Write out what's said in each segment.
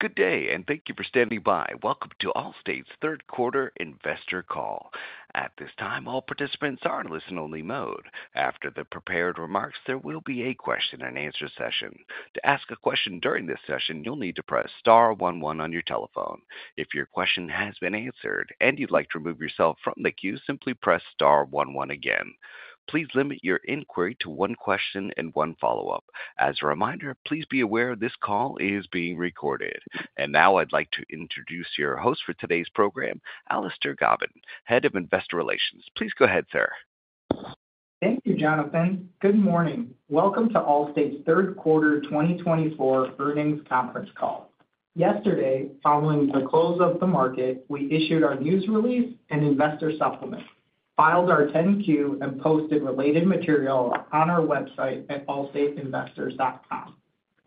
Good day and thank you for standing by. Welcome to Allstate's third quarter investor call. At this time all participants are in listen only mode. After the prepared remarks, there will be a question and answer session. To ask a question during this session. You'll need to press star one one on your telephone. If your question has been answered and. You'd like to remove yourself from the. Queue, simply press star one one again. Please limit your inquiry to one question. One follow up. As a reminder, please be aware this call is being recorded. And now I'd like to introduce your. Host for today's program, Brent Vandermause, Head of Investor Relations. Please go ahead, sir. Thank you Jonathan. Good morning. Welcome to Allstate's third quarter 2024 earnings conference call. Yesterday, following the close of the market, we issued our news release and investor supplement, filed our 10-Q and posted related material on our website at allstateinvestors.com.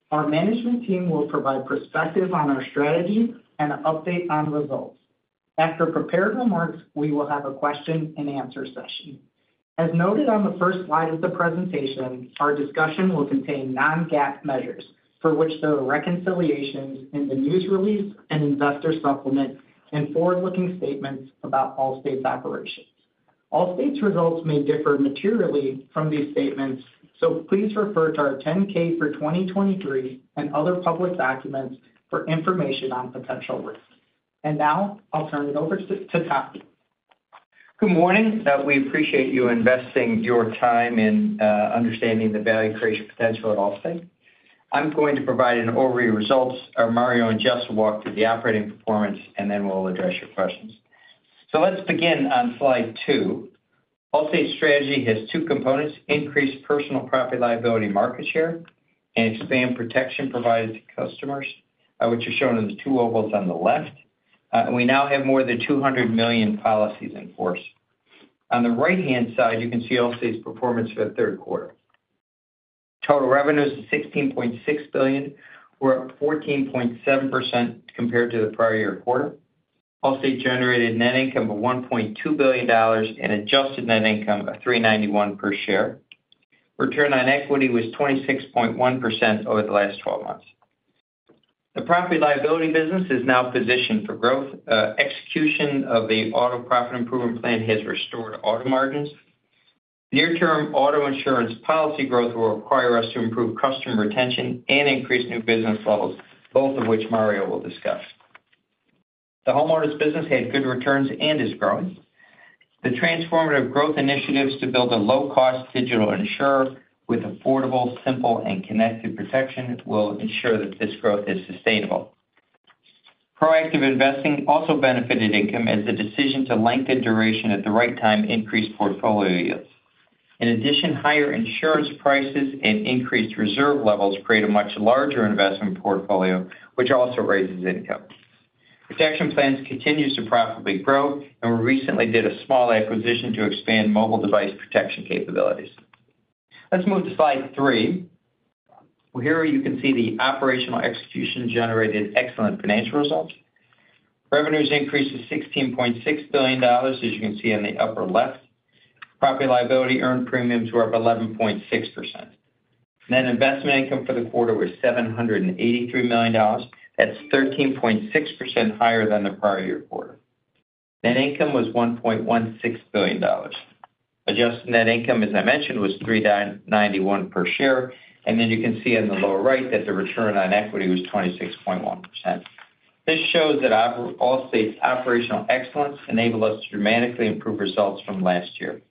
Our management team will provide perspective on our strategy and update on results. After prepared remarks, we will have a question and answer session. As noted on the first slide of the presentation, our discussion will contain non-GAAP measures for which there are reconciliations in the news release and investor supplement and forward-looking statements about Allstate's operations. Allstate's results may differ materially from these statements, so please refer to our 10-K for 2023 and other public documents for information on potential risks. And now I'll turn it over to Tom. Good morning. We appreciate you investing your time in understanding the value creation potential at Allstate. I'm going to provide an overview of results. Mario and Jess will walk through the operating performance and then we'll address your questions. So let's begin on slide two. Allstate's strategy has two components. Increase personal property liability market share and expand protection provided to customers which are shown in the two ovals on the left. We now have more than 200 million policies in force. On the right hand side you can see Allstate's performance for the third quarter. Total revenues of $16.6 billion. We're up 14.7% compared to the prior year quarter. Allstate generated net income of $1.2 billion and adjusted net income of $3.91 per share. Return on equity was 26.1% over the last 12 months. The property liability business is now positioned for growth. Execution of the auto profit improvement plan has restored auto margins near term. Auto insurance policy growth will require us to improve customer retention and increase new business levels, both of which Mario will discuss. The homeowners business had good returns and is growing. The transformative growth initiatives to build a low cost digital insurer with affordable, simple and connected protection will ensure that this growth is sustainable. Proactive investing also benefited income as the decision to lengthen duration at the right time increased portfolio yields. In addition, higher insurance prices and increased reserve levels create a much larger investment portfolio which also raises income. Protection Plans continues to profitably grow. We recently did a small acquisition to expand mobile device protection capabilities. Let's move to slide three. Here you can see the operational execution generated excellent financial results. Revenues increased to $16.6 billion. As you can see in the upper left, Property-Liability earned premiums were up 11.6%. Net investment income for the quarter was $783 million. That's 13.6% higher than the prior year. Quarter net income was $1.16 billion. Adjusted net income as I mentioned was 3.91 per share. And then you can see on the lower right that the return on equity was 26.1%. This shows that Allstate's operational excellence enabled us to dramatically improve results from last year.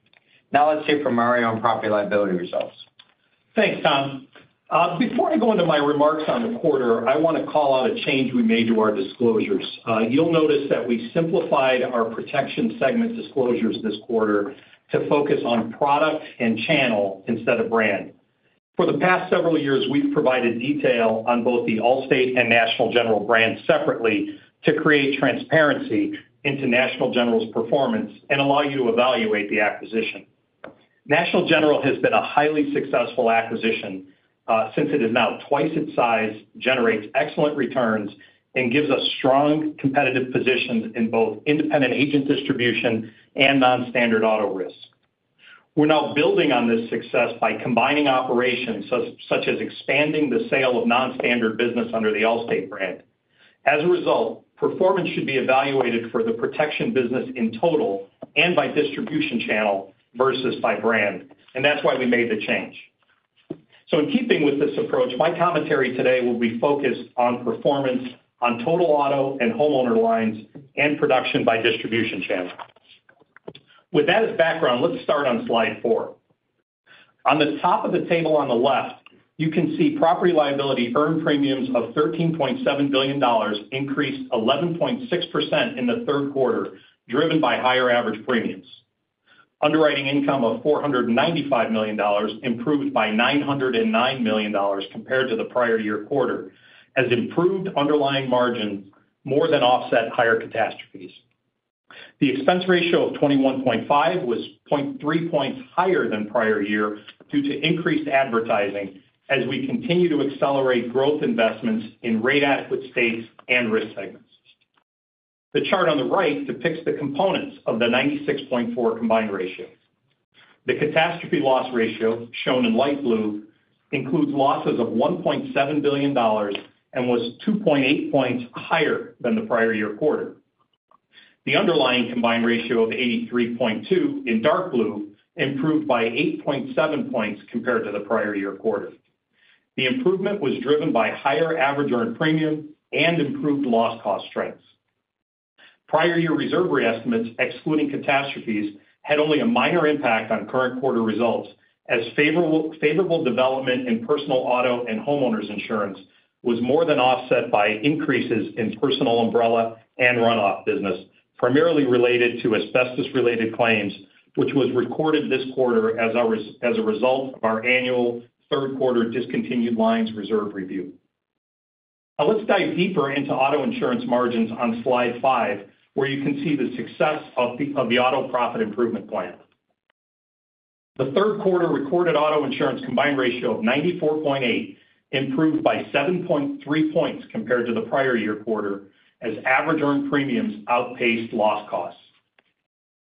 Now let's hear from Mario on property liability results. Thanks Tom. Before I go into my remarks on the quarter, I want to call out a change we made to our disclosures. You'll notice that we simplified our protection segment disclosures this quarter to focus on product and channel instead of brand. For the past several years, we've provided detail on both the Allstate and National General brands separately to create transparency into National General's performance and allow you to evaluate the acquisition. National General has been a highly successful acquisition since it is now twice its size, generates excellent returns and gives us strong competitive positions in both independent agent distribution and non-standard auto risk. We're now building on this success by combining operations such as expanding the sale of nonstandard business under the Allstate brand. As a result, performance should be evaluated for the protection business in total and by distribution channel versus by brand, and that's why we made the change. So, in keeping with this approach, my commentary today will be focused on performance on total auto and homeowner lines and production by distribution channel. With that as background, let's start on slide four on the top of the table. On the left you can see Property-Liability earned premiums of $13.7 billion increased 11.66% in the third quarter driven by higher average premiums. Underwriting income of $495 million improved by $909 million compared to the prior year quarter as improved underlying margins more than offset higher catastrophes. The Expense Ratio of 21.5% was 0.3 points higher than prior year due to increased advertising. As we continue to accelerate growth investments in rate adequate states and risk segments, the chart on the right depicts the components of the 96.4 combined ratio. The catastrophe loss ratio shown in light blue includes losses of $1.7 billion and was 2.8 points higher than the prior year quarter. The underlying combined ratio of 83.2 in dark blue improved by 8.7 points compared to the prior year quarter. The improvement was driven by higher average earned premium and improved loss cost strengths. Prior year reserve re-estimates excluding catastrophes had only a minor impact on current quarter results as favorable development in personal auto and homeowners insurance was more than offset by increases in personal umbrella and runoff business primarily related to asbestos-related claims which was recorded this quarter as a result of our annual third quarter discontinued lines reserve review. Now let's dive deeper into auto insurance margins on slide five where you can see the success of the auto profit improvement plan. The third quarter recorded auto insurance combined ratio of 94.8 improved by 7.3 points compared to the prior year quarter as average earned premiums outpaced loss costs.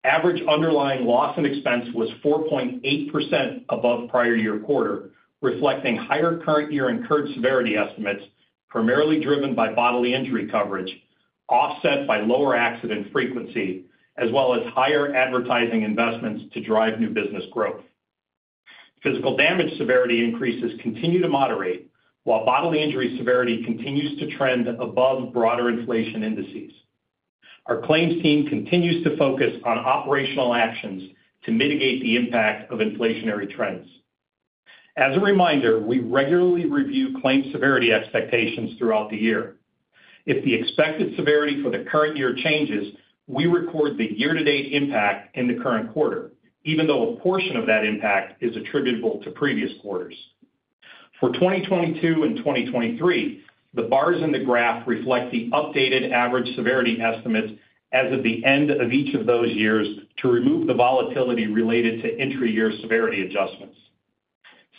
Average underlying loss and expense was 4.8% above prior year quarter reflecting higher current year incurred severity estimates primarily driven by bodily injury coverage offset by lower accident frequency as well as higher advertising investments to drive new business growth. Physical damage severity increases continue to moderate while bodily injury severity continues to trend above broader inflation indices. Our claims team continues to focus on operational actions and to mitigate the impact of inflationary trends. As a reminder, we regularly review claim severity expectations throughout the year. If the expected severity for the current year changes, we record the year to date impact in the current quarter even though a portion of that impact is attributable to previous quarters for 2022 and 2023. The bars in the graph reflect the updated average severity estimates as of the end of each of those years to remove the volatility related to entry year severity adjustments.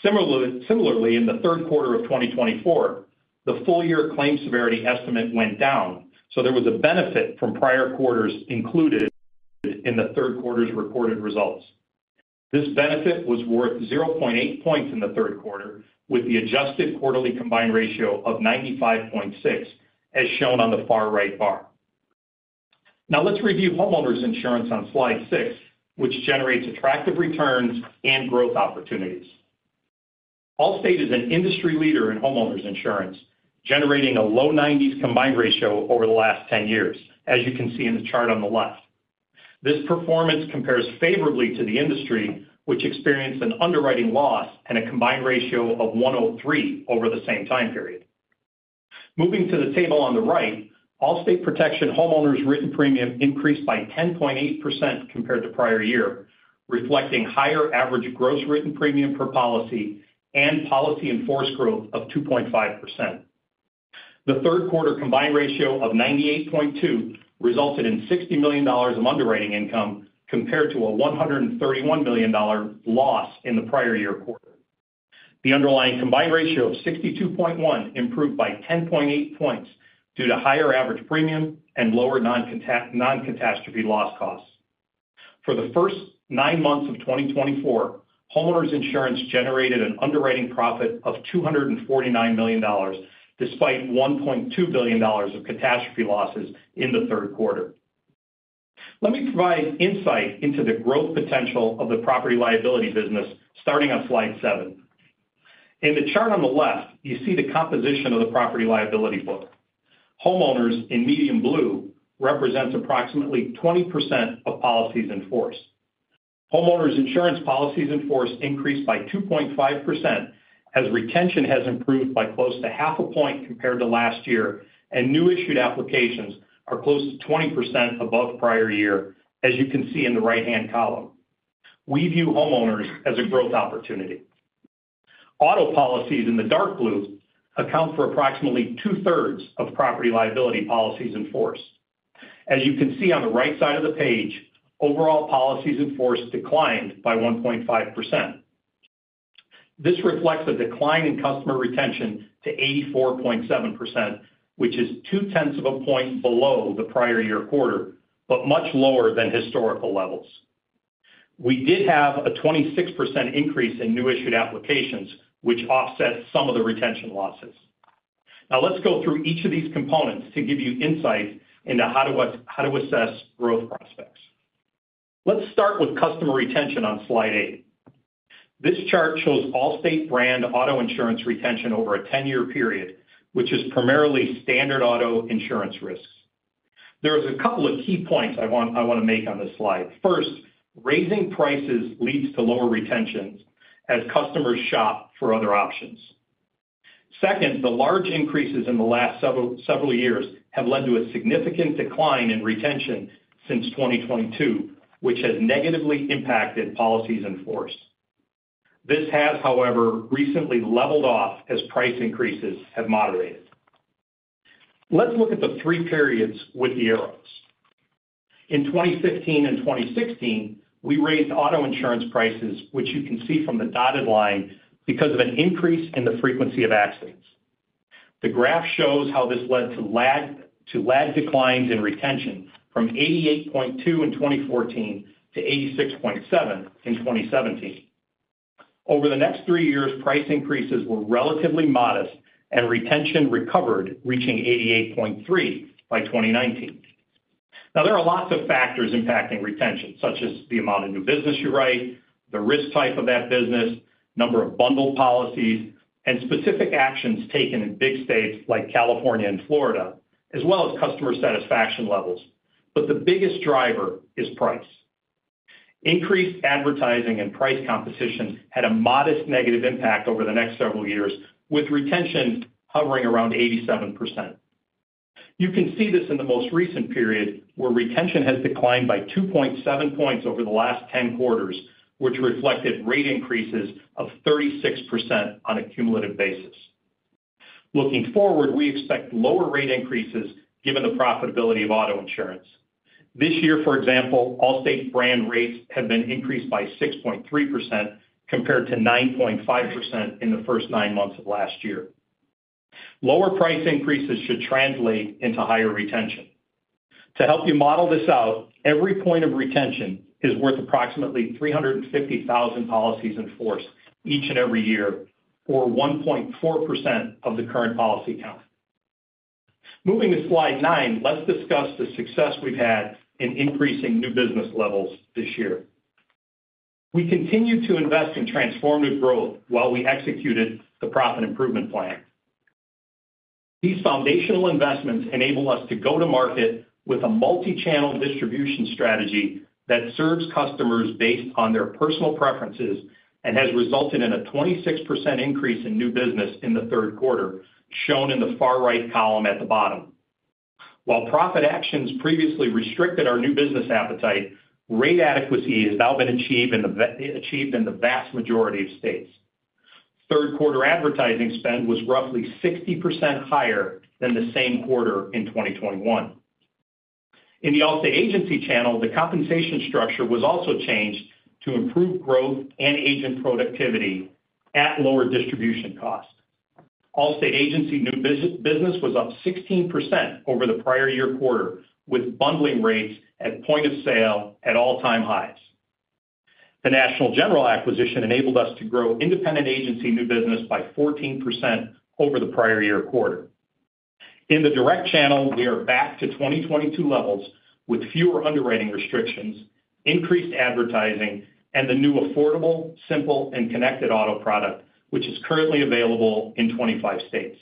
Similarly, in the third quarter of 2024 the full year claim severity estimate went down, so there was a benefit from prior quarters included in the third quarter's reported results. This benefit was worth 0.8 points in the third quarter with the adjusted quarterly combined ratio of 95.6 as shown on the far right bar. Now let's review homeowners insurance on slide six, which generates attractive returns and growth opportunities. Allstate is an industry leader in homeowners insurance generating a low 90s combined ratio over the last 10 years. As you can see in the chart on the left, this performance compares favorably to the industry which experienced an underwriting loss and a combined ratio of 100.3 over the same time period. Moving to the table on the right, Allstate Protection homeowners written premium increased by 10.8% compared to prior year, reflecting higher average gross written premium per policy and policies in force growth of 2.5%. The third quarter combined ratio of 98.2 resulted in $60 million of underwriting income compared to a $131 million loss in the prior year quarter. The underlying combined ratio of 62.1 improved by 10.8 points due to higher average premium and lower non-catastrophe loss costs. For the first nine months of 2024, homeowners insurance generated an underwriting profit of $249 million despite $1.2 billion of catastrophe losses in the third quarter. Let me provide insight into the growth potential of the Property-Liability business starting on slide seven. In the chart on the left, you see the composition of the Property-Liability book. Homeowners in medium blue represents approximately 20% of policies in force. Homeowners insurance policies in force increased by 2.5% as retention has improved by close to half a point compared to last year and new issued applications are close to 20% above prior year. As you can see in the right hand column, we view homeowners as a growth opportunity. Auto policies in the dark blue account for approximately 2/3 of Property-Liability policies in force. As you can see on the right side of the page, overall policies in force declined by 1.5%. This reflects a decline in customer retention to 84.7% which is 2.1 of a point below the prior year quarter but much lower than historical levels. We did have a 26% increase in new issued applications which offset some of the retention losses. Now let's go through each of these components to give you insight into how to assess growth prospects. Let's start with customer retention on slide eight. This chart shows Allstate brand auto insurance retention over a 10-year period which is primarily standard auto insurance risks. There is a couple of key points I want to make on this slide. First, raising prices leads to lower retentions as customers shop for other options. Second, the large increases in the last several years have led to a significant decline in retention since 2022, which has negatively impacted policies in force. This has, however, recently leveled off as price increases have moderated. Let's look at the three periods with the arrows. In 2015 and 2016, we raised auto insurance prices, which you can see from the dotted line because of an increase in the frequency of accidents. The graph shows how this led to lagged declines in retention from 88.2% in 2014 to 86.7% in 2017. Over the next three years, price increases were relatively modest, and retention recovered, reaching 88.3% by 2019. Now there are lots of factors impacting retention such as the amount of new business you write, the risk type of that business, number of bundled policies and specific actions taken in big states like California and Florida, as well as customer satisfaction levels. But the biggest driver is price. Increased advertising and price composition had a modest negative impact over the next several years with retention hovering around 87%. You can see this in the most recent period where retention has declined by 2.7 points over the last 10 quarters, which reflected rate increases of 36% on a cumulative basis. Looking forward, we expect lower rate increases given the profitability of auto insurance this year, for example, Allstate brand rates have been increased by 6.3% and compared to 9.5% in the first nine months of last year. Lower price increases should translate into higher retention. To help you model this out, every point of retention is worth approximately 350,000 policies in force each and every year, or 1.4% of the current policy count. Moving to slide nine, let's discuss the success we've had in increasing new business levels this year. We continue to invest in transformative growth while we executed the profit improvement plan. These foundational investments enable us to go to market with a multichannel distribution strategy that serves customers based on their personal preferences and has resulted in a 26% increase in new business in the third quarter shown in the far right column at the bottom. While profit actions previously restricted our new business appetite, rate adequacy has now been achieved in the vast majority of states. Third quarter advertising spend was roughly 60% higher than the same quarter in 2021 in the Allstate Agency channel. The compensation structure was also changed to improve growth and agent productivity at lower distribution cost. Allstate Agency new business was up 16% over the prior year quarter with bundling rates at point of sale at all-time highs. The National General acquisition enabled us to grow independent agency new business by 14% over the prior year quarter, in the direct channel we are back to 2022 levels with fewer underwriting restrictions, increased advertising and the new affordable, simple, and connected auto product which is currently available in 25 states.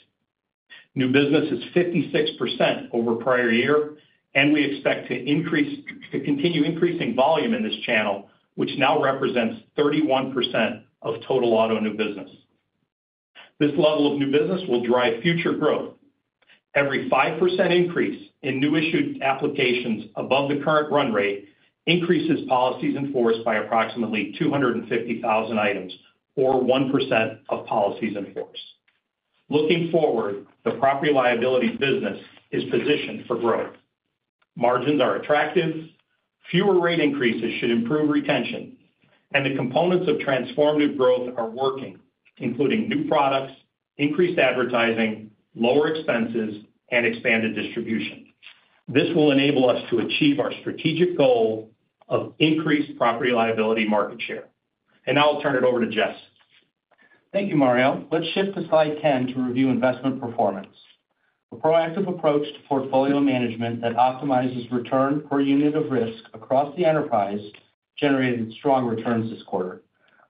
New business is 56% over prior year and we expect to increase to continue increasing volume in this channel, which now represents 31% of total auto new business. This level of new business will drive future growth. Every 5% increase in new issued applications above the current run rate increases policies in force by approximately 250,000 items or 1% of policies in force. Looking forward, the Property-Liability business is positioned for growth. Margins are attractive, fewer rate increases should improve retention and the components of transformative growth are working, including new products, increased advertising, lower expenses and expanded distribution. This will enable us to achieve our strategic goal of increased Property-Liability market share and now I'll turn it over to Jess. Thank you, Mario. Let's shift to slide 10 to review investment performance. A proactive approach to portfolio management that optimizes return per unit of risk across the enterprise generated strong returns this quarter.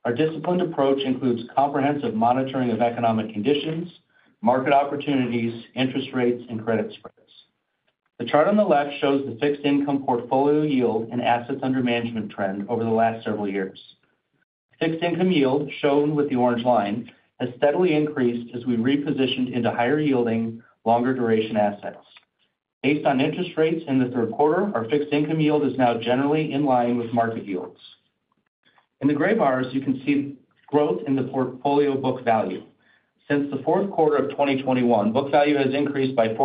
Our disciplined approach includes comprehensive monitoring of economic conditions, market opportunities, interest rates and credit spreads. The chart on the left shows the fixed income portfolio yield and assets under management trend over the last several years. Fixed income yield shown with the orange line has steadily increased as we repositioned into higher yielding longer duration assets based on interest rates in the third quarter. Our fixed income yield is now generally in line with market yields. In the gray bars, you can see growth in the portfolio book value. Since the fourth quarter of 2021, book value has increased by 14%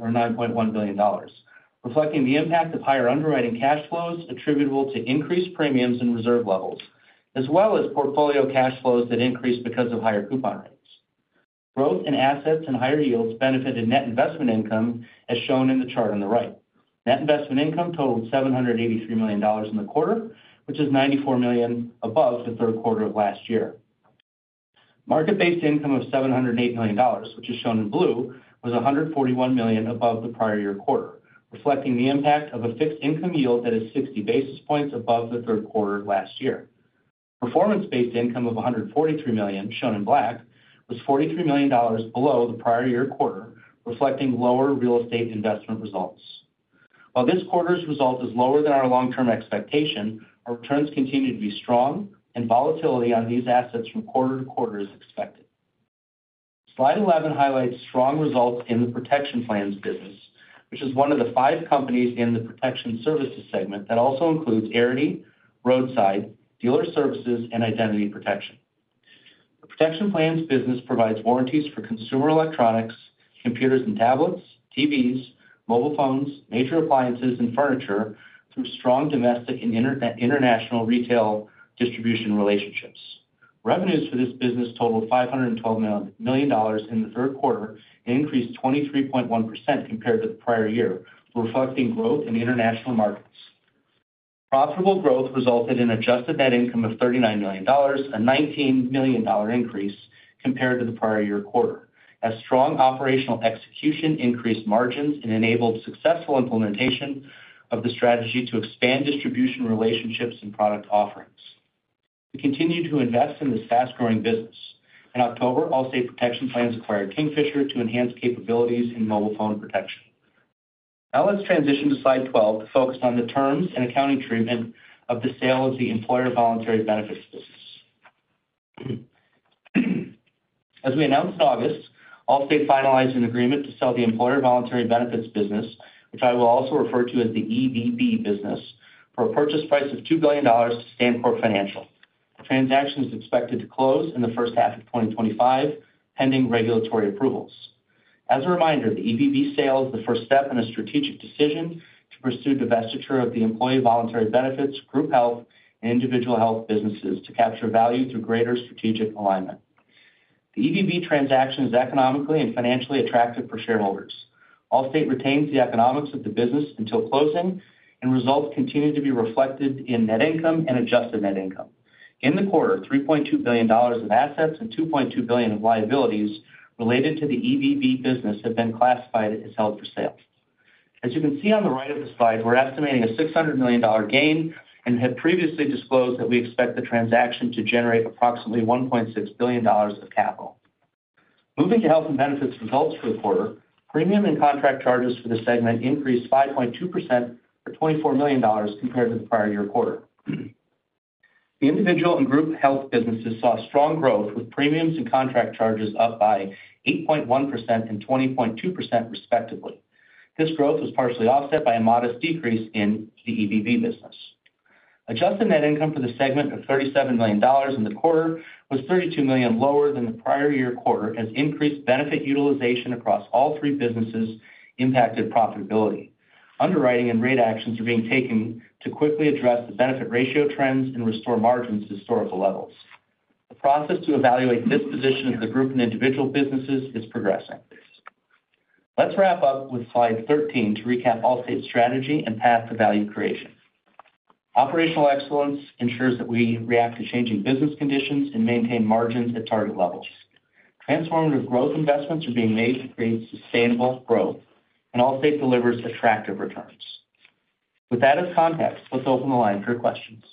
or $9.1 billion, reflecting the impact of higher underwriting cash flows attributable to increased premiums and reserve levels as well as portfolio cash flows that increased because of higher coupon rates. Growth in assets and higher yields benefited net investment income. As shown in the chart on the right, net investment income totaled $783 million in the quarter, which is $94 million above the third quarter of last year. Market based income of $708 million, which is shown in blue, was $141 million above the prior year quarter reflecting the impact of a fixed income yield that is 60 basis points above the third quarter. Last year, performance based income of $143 million shown in black, was $43 million below the prior year quarter reflecting lower real estate investment results. While this quarter's result is lower than our long-term expectation, our returns continue to be strong and volatility on these assets from quarter to quarter is expected. slide 11 highlights strong results in the protection plans business, which is one of the five companies in the protection services segment that also includes Arity, Roadside, Dealer Services, and Identity Protection. The Protection Plans business provides warranties for consumer electronics, computers and tablets, TVs, mobile phones, major appliances and furniture through strong domestic and international retail distribution relationships. Revenues for this business totaled $512 million in the third quarter and increased 23.1% compared to the prior year, reflecting growth in international markets. Profitable growth resulted in adjusted net income of $39 million, a $19 million increase compared to the prior year quarter. As strong operational execution increased margins and enabled successful implementation of the strategy to expand distribution relationships and product offerings, we continue to invest in this fast growing business. In October, Allstate Protection Plans acquired Kingfisher to enhance capabilities in mobile phone protection. Now let's transition to slide 12 to focus on the terms and accounting treatment of the sale of the employer voluntary benefits business. As we announced in August, Allstate finalized an agreement to sell the employer voluntary benefits business, which I will also refer to as the EVB business, for a purchase price of $2 billion to StanCorp Financial. The transaction is expected to close in the first half of 2025, pending regulatory approvals. As a reminder, the EVB sale is the first step in a strategic decision to pursue divestiture of the employee voluntary benefits, group health and individual health businesses to capture value through greater strategic alignment. The EVB transaction is economically and financially attractive for shareholders. Allstate retains the economics of the business until closing and results continue to be reflected in net income and adjusted net income in the quarter. $3.2 billion of assets and $2.2 billion of liabilities related to the EVB business have been classified as held for sale. As you can see on the right of the slide, we're estimating a $600 million gain and have previously disclosed that we expect the transaction to generate approximately $1.6 billion of capital moving to health and benefits. Results for the quarter premium and contract. Charges for the segment increased 5.2% or $24 million compared to the prior year quarter. The individual and group health businesses saw strong growth with premiums and contract charges up by 8.1% and 20.2% respectively. This growth was partially offset by a modest decrease in the EVB business. Adjusted net income for the segment of $37 million in the quarter was 32 million lower than the prior year quarter. As increased benefit utilization across all three businesses impacted profitability, underwriting and rate actions are being taken to quickly address the benefit ratio trends and restore margins to historical levels. The process to evaluate this position of the group and individual businesses is progressing. Let's wrap up with slide 13. To recap, Allstate's strategy and path to value creation. Operational excellence ensures that we react to changing business conditions and maintain margins at target levels. Transformative growth investments are being made to create sustainable growth and Allstate delivers attractive returns. With that as context, let's open the line for questions.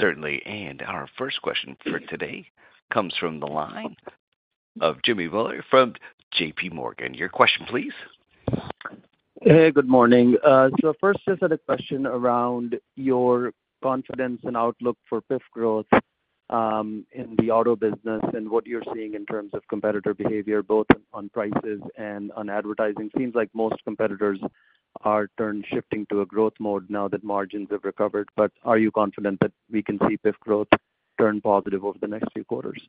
Certainly, and our first question for today comes from the line of Jimmy Bhullar from JPMorgan. Your question, please. Hey, good morning. So first, just had a question around your confidence and outlook for PIF growth in the auto business and what you're seeing in terms of competitor behavior, both? On prices and on advertising. Seems like most competitors are turning to a growth mode now that margins have recovered. But are you confident that we can see PIF growth turn positive over the next few quarters?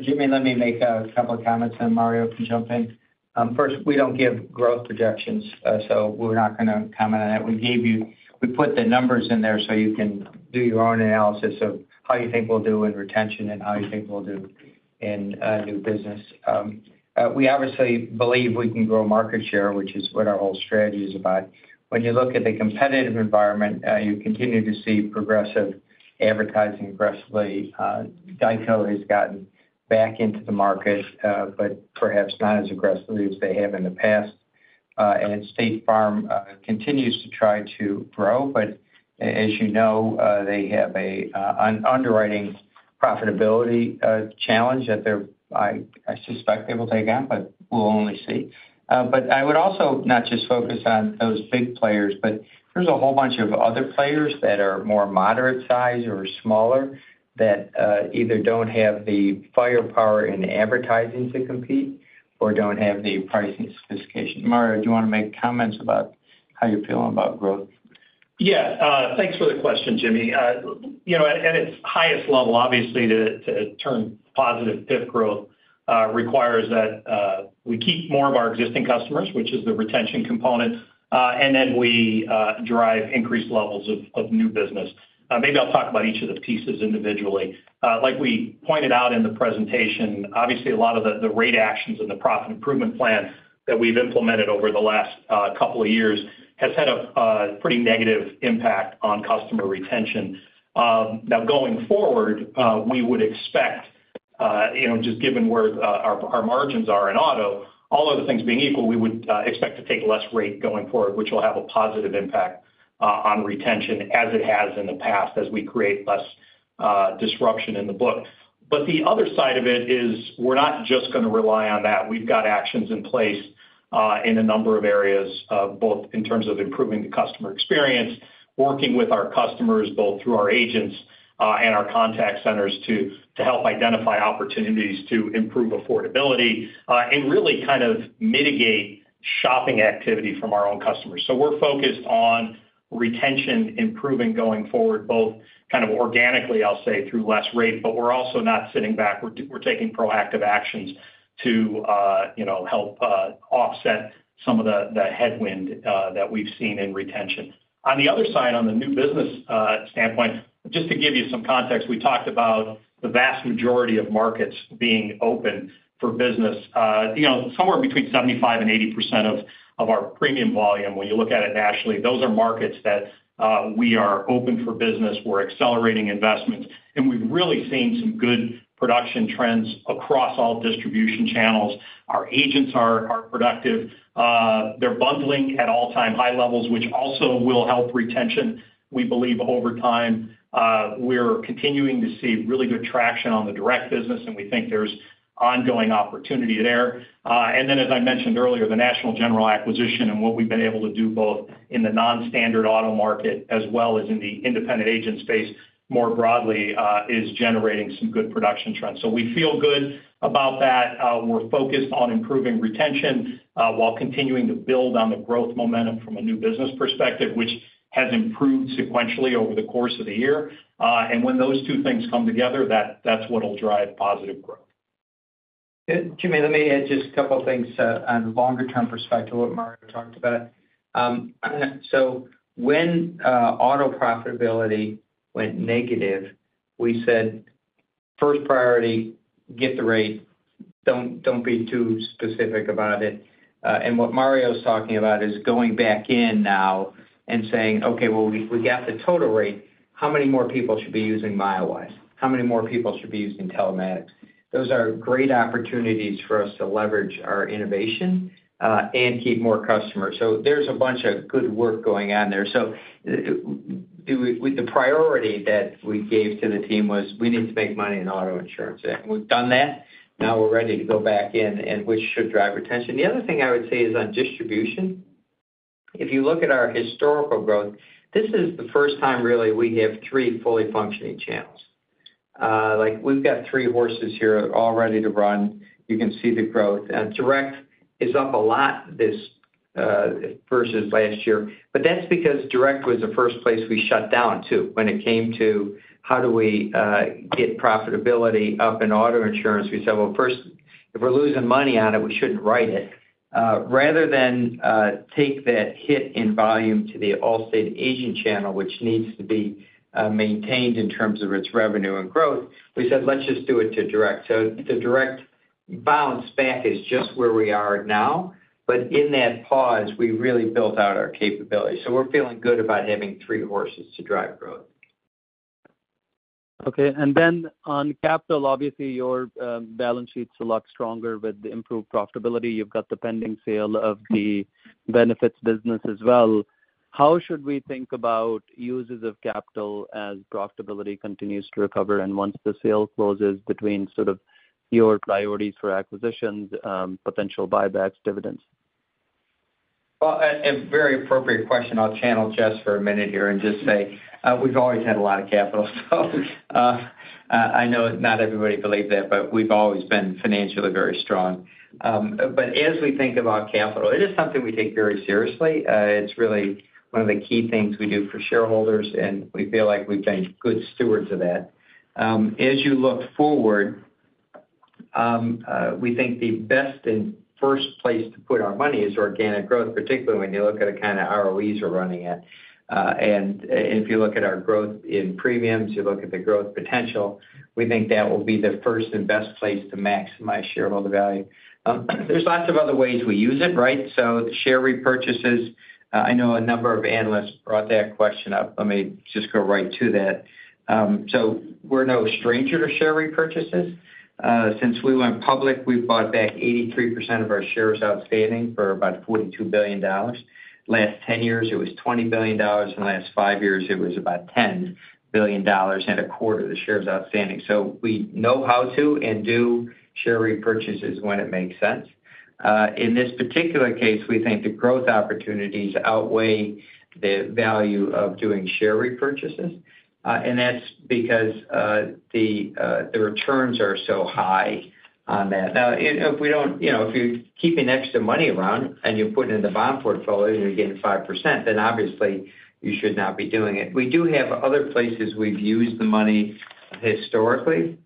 Jimmy, let me make a couple of comments and Mario can jump in. First, we don't give growth projections, so we're not going to comment on that. We gave you. We put the numbers in there so you can do your own analysis of how you think we'll do in retention and how you think we'll do in new business. We obviously believe we can grow market share, which is what our whole strategy is about. When you look at the competitive environment, you continue to see Progressive advertising aggressively. GEICO has gotten back into the market, but perhaps not as aggressively as they have in the past. State Farm continues to try to grow, but as you know, they have an underwriting profitability challenge that they're. I suspect they will take on, but we'll only see. But I would also not just focus on those big players, but there's a whole bunch of other players that are more moderate size or smaller that either don't have the firepower in advertising to compete or don't have the pricing sophistication. Mario, do you want to make comments about how you're feeling about growth? Yeah, thanks for the question, Jimmy. You know, at its highest level, obviously to turn positive, PIF growth requires that we keep more of our existing customers, which is the retention component, and then we drive increased levels of new business. Maybe I'll talk about each of the pieces individually. Like we pointed out in the presentation, obviously a lot of the rate actions and the profit improvement plan that we've implemented over the last couple of years has had a pretty negative impact on customer retention. Now, going forward, we would expect, you know, just given where our margins are in auto, all other things being equal, we would expect to take less rate going forward, which will have a positive impact on retention as it has in the past. As we create less disruption in the book. But the other side of it is we're not just going to rely on that. We've got actions in place in a number of areas, both in terms of improving the customer experience, working with our customers, both through our agents and our contact centers, to help identify opportunities to improve affordability and really kind of mitigate shopping activity from our own customers. So we're focused on retention improving going forward, both kind of organically, I'll say, through less rate, but we're also not sitting back. We're taking proactive actions to help offset some of the headwind that we've seen in retention. On the other side, on the new business standpoint, just to give you some context, we talked about the vast majority of markets being open for business somewhere between 75%-80% of our premium volume. When you look at it nationally, those are markets that we are open for business. We're accelerating investments and we've really seen some good production trends across all distribution channels. Our agents are productive, they're bundling at all-time high levels, which also will help retention. We believe over time we're continuing to see really good traction on the direct business and we think there's ongoing opportunity there. And then as I mentioned earlier, the National General acquisition and what we've been able to do both in the non-standard auto market as well as in the independent agent space more broadly, is generating some good production trends. So we feel good about that. We're focused on improving retention while continuing to build on the growth momentum from a new business perspective, which has improved sequentially over the course of the year. When those two things come together, that's what will drive positive growth. Jimmy, let me add just a couple of things. On longer term perspective, what Mario talked about. So when auto profitability went negative, we said first priority, get the rate. Don't be too specific about it. And what Mario's talking about is going back in now and saying, okay, well we got the total rate. How many more people should be using Milewise, how many more people should be using telematics? Those are great opportunities for us to leverage our innovation and keep more customers. So there's a bunch of good work going on there. So the priority that we gave to the team was we need to make money in auto insurance. We've done that. Now we're ready to go back in and which should drive retention. The other thing I would say is on distribution. If you look at our historical growth, this is the first time really we have three fully functioning channels. Like, we've got three horses here all ready to run. You can see the growth. Direct is up a lot this versus last year. But that's because Direct was the first place we shut down, too. When it came to how do we get profitability up in auto insurance, we said, well, first, if we're losing money on it, we shouldn't write it. Rather than take that hit in volume to the Allstate agent channel, which needs to be maintained in terms of its revenue and growth, we said, let's just do it to Direct. So the Direct bounce back is just where we are now. But in that pause, we really built out our capability. So we're feeling good about having three horses to drive growth. Okay. And then on capital, obviously, your balance sheet's a lot stronger with the improved profitability. You've got the pending sale of the benefits business as well. How should we think about uses of capital as profitability continues to recover and once the sale closes between sort of your priorities for acquisitions, potential buybacks, dividends? Well, a very appropriate question. I'll channel Jess for a minute here and just say we've always had a lot of capital, so I know not everybody believes that, but we've always been financially very strong. But as we think about capital, it is something we take very seriously. It's really one of the key things we do for shareholders, and we feel like we've been good stewards of that. As you look forward, we think the best and first place to put our money is organic growth, particularly when you look at the kind of ROEs we're running at. And if you look at our growth in premiums, you look at the growth potential, we think that will be the first and best place to maximize shareholder value. There's lots of other ways we use it. Right. So share repurchases. I know a number of analysts brought that question up. Let me just go right to that. So we're no stranger to share repurchases. Since we went public, we bought back 83% of our shares outstanding for about $42 billion. Last 10 years, it was $20 billion. In the last five years, it was about $10 billion and a quarter of the shares outstanding. So we know how to and do share repurchases when it makes sense. In this particular case, we think the growth opportunities outweigh the value of doing share repurchases, and that's because the returns are so high on that. Now, if we don't, you know, if you're keeping extra money around and you put it in the bond portfolio and you're getting 5% then obviously you should not be doing it. We do have other places we've used the money historically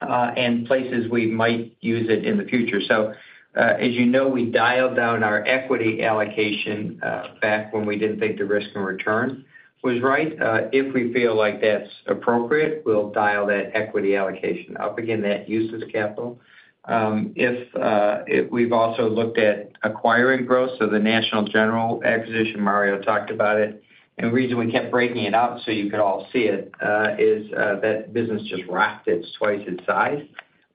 and places we might use it in the future. So as you know, we dialed down our equity allocation back when we didn't think the risk and return was right. If we feel like that's appropriate, we'll dial that equity allocation up again. That uses capital. If we've also looked at acquiring Gross. So the National General acquisition, Mario talked about it and the reason we kept breaking it up so you could all see it is that business just rocked. It's twice its size.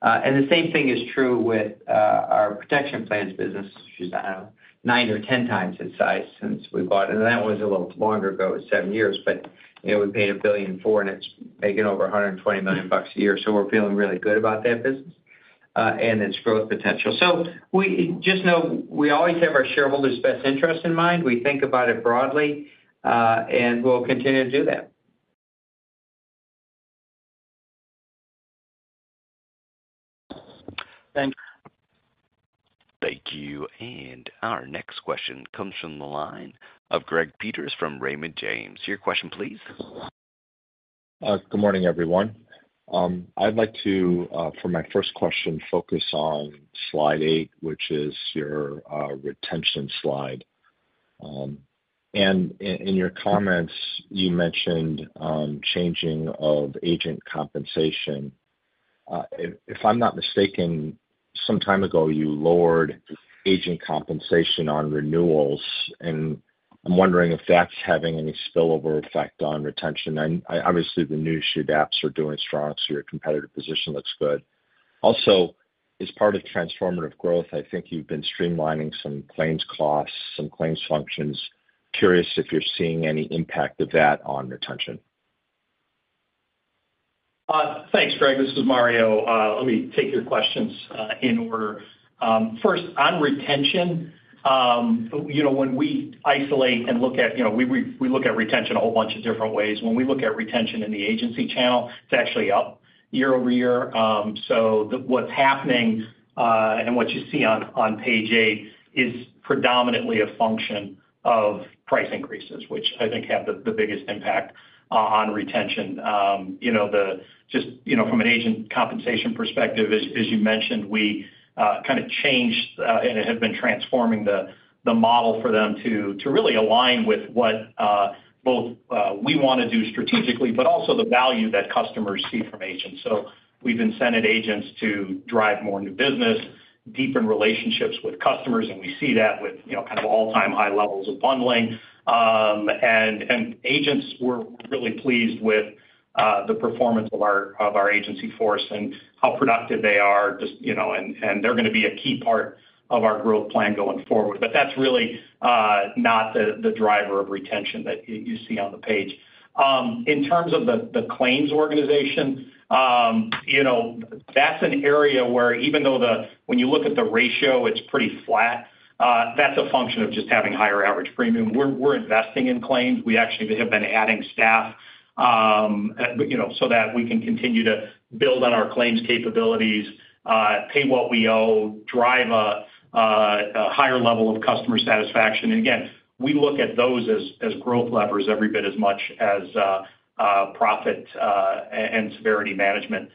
And the same thing is true with our protection plans business, which is nine or 10x its size since we bought it. And that was a little longer ago, seven years, but we paid $1.4 billion bucks a year. So we're feeling really good about that business and its growth potential. So just know we always have our shareholders' best interest in mind. We think about it broadly and we'll continue to do that. Thanks. Thank you. And our next question comes from the line of Greg Peters from Raymond James. Your question please. Good morning everyone. I'd like to, for my first question, focus on slide eight which is your retention slide. And in your comments you mentioned changing of agent compensation. If I'm not mistaken, some time ago you lowered agent compensation on renewals. And I'm wondering if that's having any spillover effect on retention. Obviously the new issued apps are doing. Strong, so your competitive position looks good. Also, as part of transformative growth, I think you've been streamlining some claims costs, some claims functions. Curious if you're seeing any impact of that on retention. Thanks Greg. This is Mario. Let me take your questions in order. First, on retention, you know, when we isolate and look at, you know, we look at retention a whole bunch of different ways. When we look at retention in the agency channel, it's actually up year-over-year. So what's happening and what you see on page 8 is predominantly a function of price increases which I think have the biggest impact on retention. You know, just, you know, from an agent compensation perspective, as you mentioned, we kind of changed and have been transforming the model for them to really align with what both we want to do strategically, but also the value that customers see from agents. So we've incented agents to drive more new business, deepen relationships with customers, and we see that with kind of all-time high levels of bundling, and agents were really pleased with the performance of our agency force and how productive they are. And they're going to be a key part of our growth plan going forward. But that's really not the driver of retention that you see on the page in terms of the claims organization. You know, that's an area where even though when you look at the ratio it's pretty flat, that's a function of just having higher average premium. We're investing in claims. We actually have been adding staff, you know, so that we can continue to build on our claims capabilities, pay what we owe, drive a higher level of customer satisfaction. Again, we look at those as growth levers every bit as much as profit and severity management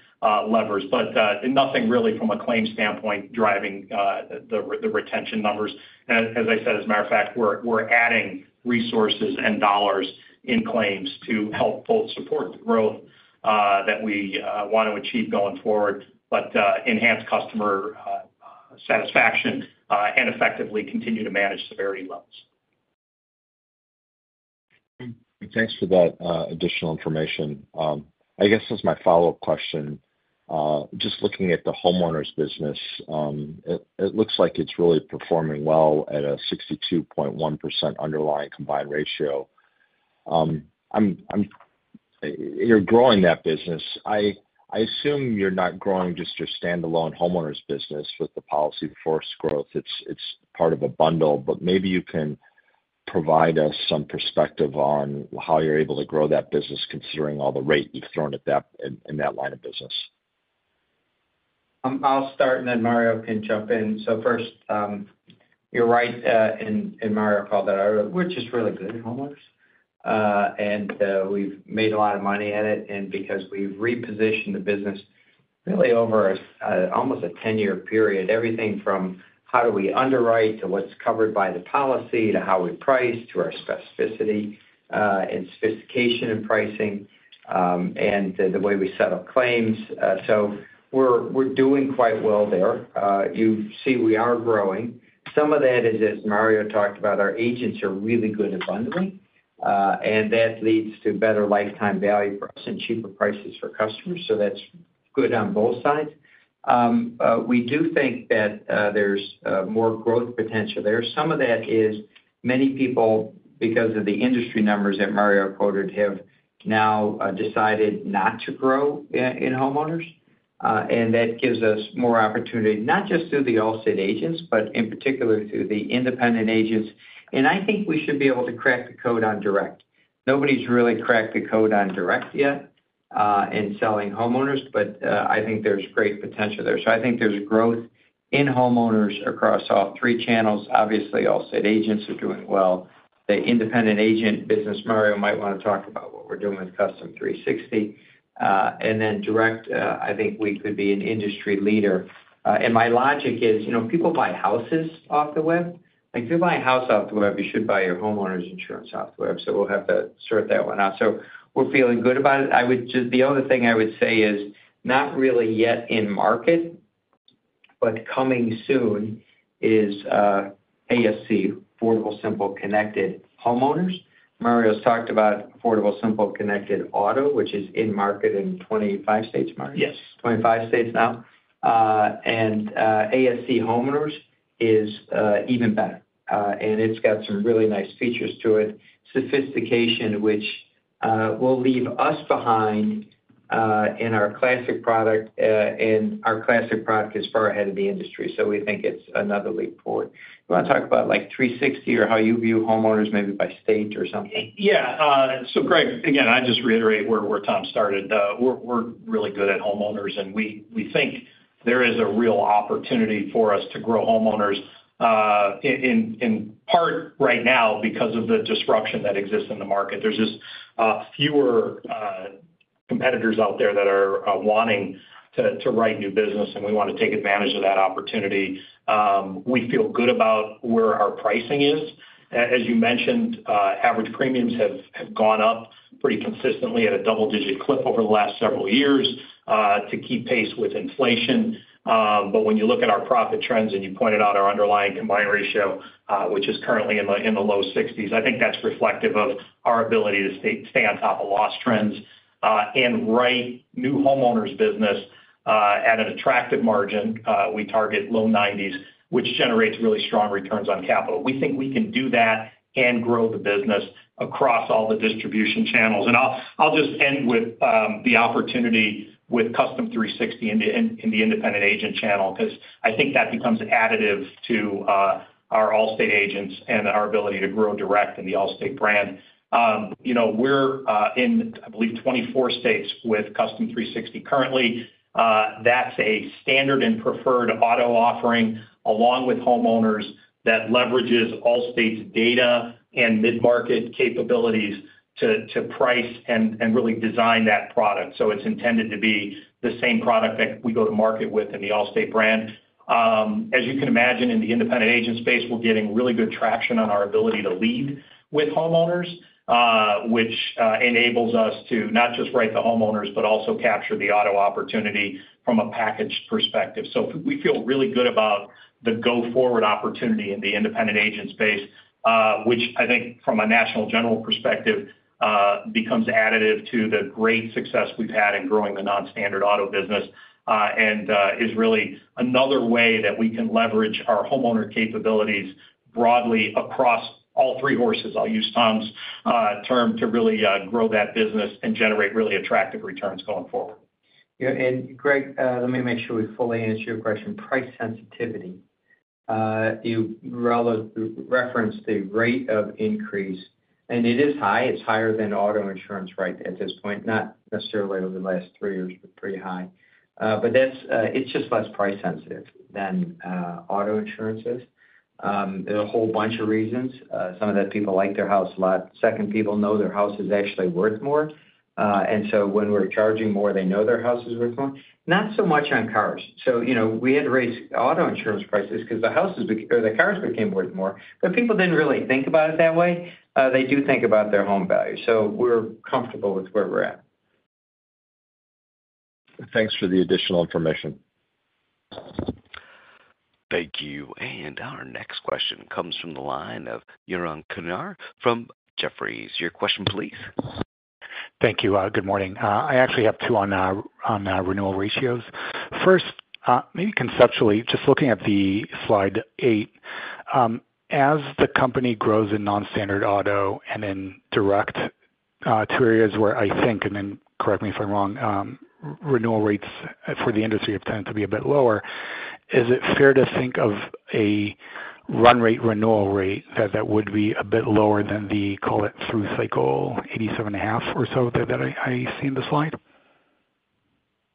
levers, but nothing really from a claim standpoint driving the retention numbers. As I said, as a matter of fact, we're adding resources and dollars in claims to help both support the growth that we want to achieve going forward, but enhance customer satisfaction and effectively continue to manage severity levels. Thanks for that additional information. I guess as my follow up question, just looking at the homeowners business, it looks like it's really performing well at a 62.1% underlying combined ratio. You're growing that business. I assume you're not growing just your. Standalone homeowners business with the policy. Forced growth. It's part of a bundle. But maybe you can provide us some perspective on how you're able to grow that business considering all the rate you've thrown at that in that line of business? I'll start and then Mario can jump in. So first, you're right. In Mario called it. We're just really good at homeowners and we've made a lot of money at it. And because we've repositioned the business really over almost a 10-year period, everything from how do we underwrite to what's covered by the policy, to how we price, to our specificity and sophistication in pricing and the way we set up claims. So we're doing quite well there. You see, we are growing. Some of that is as Mario talked about. Our agents are really good at bundling and that leads to better lifetime value for us and cheaper prices for customers. So that's good on both sides. We do think that there's more growth potential there. Some of that is many people, because of the industry numbers that Mario quoted, have now decided not to grow in homeowners. And that gives us more opportunity, not just through the Allstate agents, but in particular through the independent agents. And I think we should be able to crack the code on direct. Nobody's really cracked the code on direct yet in selling homeowners, but I think there's great potential there. So I think there's growth in homeowners across all three channels. Obviously Allstate agents are doing well. The independent agent business. Mario might want to talk about what we're doing with Custom 360 and then direct. I think we could be an industry leader. And my logic is, you know, people buy houses off the web. If you buy a house off the web, you should buy your homeowner's insurance off the web. So we'll have to sort that one out. We're feeling good about it. I would just. The other thing I would say is not really yet in market, but coming soon is ASC Affordable Simple Connected Homeowners. Mario's talked about Affordable Simple Connected Auto, which is in market in 25 states. Mario? Yes, 25 states now. And ASC homeowners is even better. And it's got some really nice features to it, sophistication which will leave us behind in our classic product. And our classic product is far ahead of the industry. We think it's another leap forward. Want to talk about Custom 360 or how you view homeowners? Maybe by state or something? Yeah, so, Greg, again, I just reiterate where Tom started. We're really good at homeowners and we think there is a real opportunity for us to grow homeowners in part right now because of the disruption that exists in the market. There's just fewer competitors out there that are wanting to write new business and we want to take advantage of that opportunity. We feel good about where our pricing is. As you mentioned, average premiums have gone up pretty consistently at a double digit clip over the last several years to keep pace with inflation. But when you look at our profit trends and you pointed out our underlying combined ratio, which is currently in the low 60s, I think that's reflective of our ability to stay on top of loss trends and write new homeowners business at an attractive margin. We target low 90s, which generates really strong returns on capital. We think we can do that and grow the business across all the distribution channels, and I'll just end with the opportunity with Custom 360 in the independent agent channel because I think that becomes additive to our Allstate agents and our ability to grow direct in the Allstate brand. You know, we're in, I believe, 24 states with Custom 360. Currently that's a standard and preferred auto offering along with homeowners that leverages Allstate's data and mid market capabilities to price and really design that product, so it's intended to be the same product that we go to market with in the Allstate brand. As you can imagine, in the independent agent space, we're getting really good traction on our ability to lead with homeowners, which enables us to not just write the homeowners, but also capture the auto opportunity from a package perspective, so we feel really good about the go forward opportunity in the independent agent space, which I think from a National General perspective becomes additive to the great success we've had in growing the nonstandard auto business and is really another way that we can leverage our homeowner capabilities broadly across all three horses. I'll use Tom's term to really grow that business and generate really attractive returns going forward. And Greg, let me make sure we fully answer your question. Price sensitivity. You referenced the rate of increase and it is high. It's higher than auto insurance right at this point. Not necessarily over the last three years, but pretty high. But that's, it's just less price sensitive than auto insurance is. There are a whole bunch of reasons. Some of the people like their house a lot. Second, people know their house is actually worth more. And so when we're charging more, they know their house is worth more. Not so much on cars. So, you know, we had to raise auto insurance prices because the houses or the cars became worth more. But people didn't really think about it that way. They do think about their home value. So we're comfortable with where we're at. Thanks for the additional information. Thank you. And our next question comes from the line of Yaron Kinar from Jefferies. Your question please. Thank you. Good morning.I actually have two on renewal ratios. First, maybe conceptually just looking at the slide eight as the company grows in. Non-standard auto and indirect, too. Areas where I think, and then correct me if I'm wrong, renewal rates for the industry have tended to be a bit lower. Is it fair to think of a run rate renewal rate that would be? A bit lower than the call it through cycle 87.5 or so that I. See in the slide?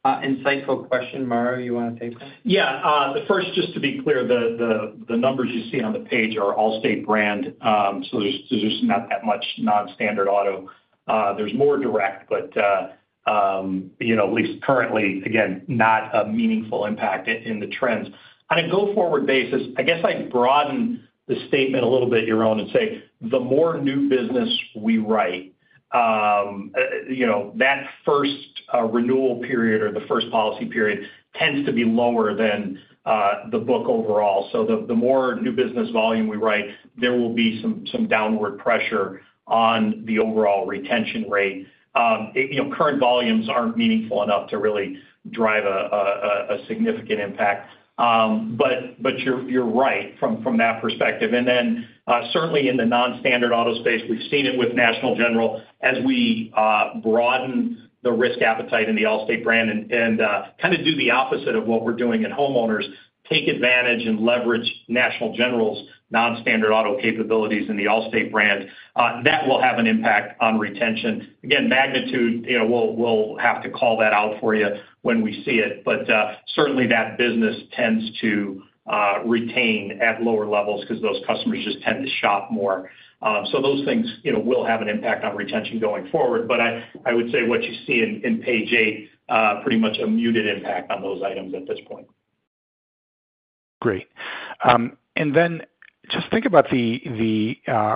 Insightful question. Mario, you want to take one? Yeah. First, just to be clear, the numbers you see on the page are Allstate brands. So there's just not that much nonstandard auto. There's more direct, but at least currently, again, not a meaningful impact in the trends on a go forward basis. I guess I'd broaden the statement a little bit. Yaron and say the more new business we write, that first renewal period or the first policy period tends to be lower than the book overall. So the more new business volume we write, there will be some downward pressure on the overall retention rate. Current volumes aren't meaningful enough to really drive a significant impact, but you're right from that perspective. Then certainly in the nonstandard auto space, we've seen it with National General as we broaden the risk appetite in the Allstate brand and kind of do the opposite of what we're doing at homeowners, take advantage and leverage National General's nonstandard auto capabilities in the Allstate brand. That will have an impact on retention. Again, magnitude. We'll have to call that out for you when we see it. But certainly that business tends to retain at lower levels because those customers just tend to shop more. So those things will have an impact on retention going forward. But I would say what you see in page eight, pretty much a muted impact on those items at this point. Great. And then just think about the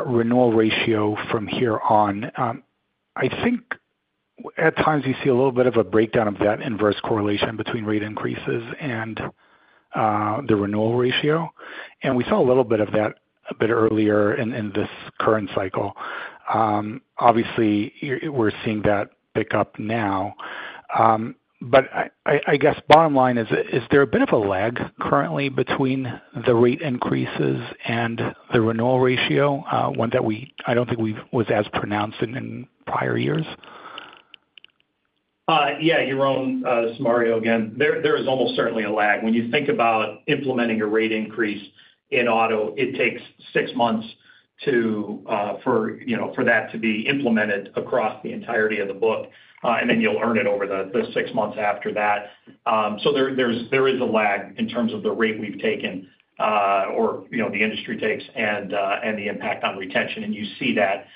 renewal ratio from here on. I think at times you see a. Little bit of a breakdown of that. Inverse correlation between rate increases and the renewal ratio, and we saw a little bit of. That a bit earlier in this current cycle. Obviously we're seeing that pick up now. But I guess bottom line is. There's a bit of a lag currently. Between the rate increases and the renewal. Ratio, one that we, I don't think. We was as pronounced in prior years. Yeah. Yaron, Mario, again, there is almost certainly a lag when you think about implementing a rate increase in auto. It takes six months to, you know, for that to be implemented across the entirety of the book and then you'll earn it over the six months after that. So there is a lag in terms of the rate we've taken or the industry takes and the impact on retention, and you see that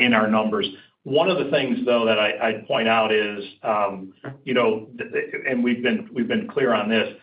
in our numbers. One of the things though, that I point out is, and we've been clear on this,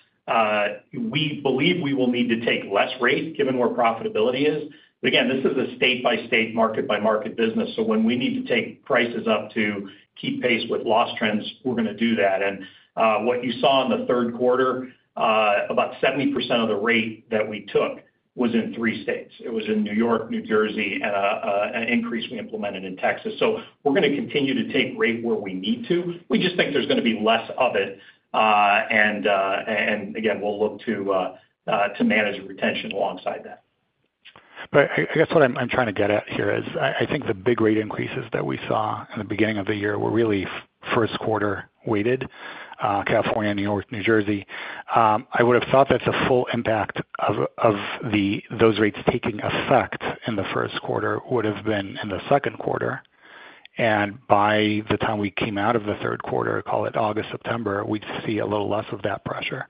we believe we will need to take less rate given where profitability is. Again, this is a state by state, market by market business. So when we need to take prices up to keep pace with loss trends, we're going to do that. And what you saw in the third quarter, about 70% of the rate that we took was in three states. It was in New York, New Jersey, and an increase we implemented in Texas. So we're going to continue to take rate where we need to. We just think there's going to be less of it. And again, we'll look to manage retention alongside that. But I guess what I'm trying to. I think the big rate increases that we saw in the beginning of the year were really first quarter weighted. California, New York, New Jersey. I would have thought that the full. Impact of those rates taking effect in the first quarter would have been in the second quarter. By the time we came out. Of the third quarter, call it August. September, we'd see a little less of that pressure.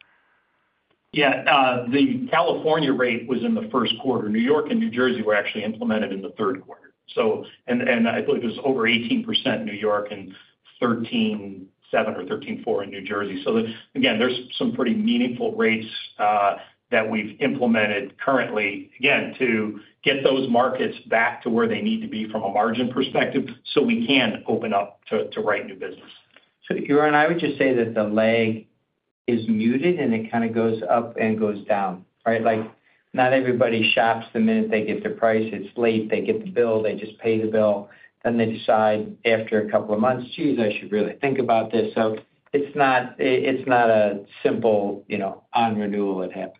Yeah, the California rate was in the first quarter. New York and New Jersey were actually implemented in the third quarter. So. I believe it was over 18% in New York and 13.7% or 13.4% in New Jersey. Again, there's some pretty meaningful rates that we've implemented currently, again, to get those markets back to where they need to be from a margin perspective so we can open up to write new business. So, your honor, I would just say that the leg is muted and it kind of goes up and goes down. Right? Like, not everybody shops. The minute they get the price, it's late, they get the bill, they just pay the bill. Then they decide after a couple of months, geez, I should really think about this. So it's not a simple, you know, on renewal, it happens.